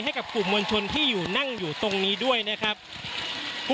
ให้กับกลุ่มมวลชนที่อยู่นั่งอยู่ตรงนี้ด้วยนะครับ